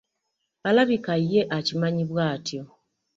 Alabika ye akimanyi bw'atyo.